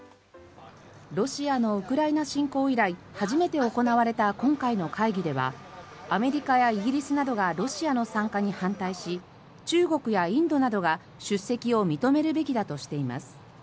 ロシアのウクライナ侵攻以来初めて行われた今回の会議ではアメリカやイギリスなどがロシアの参加に反対し中国やインドなどが出席を認めるべきだとしています。